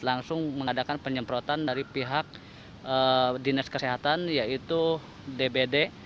langsung mengadakan penyemprotan dari pihak dinas kesehatan yaitu dbd